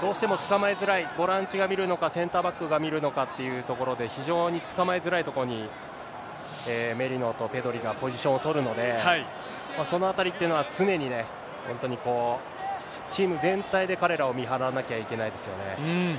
どうしても捕まえづらい、ボランチが見るのか、センターバックが見るのかってところで、非常に捕まえづらいとこに、メリノとペドリがポジションを取るので、そのあたりっていうのは常にね、本当にチーム全体で彼らを見張らなきゃいけないですよね。